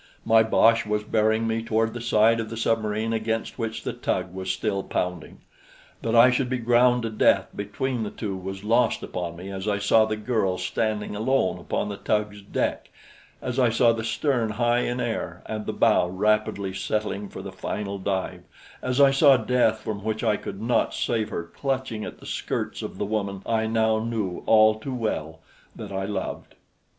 My boche was bearing me toward the side of the submarine against which the tug was still pounding. That I should be ground to death between the two was lost upon me as I saw the girl standing alone upon the tug's deck, as I saw the stern high in air and the bow rapidly settling for the final dive, as I saw death from which I could not save her clutching at the skirts of the woman I now knew all too well that I loved.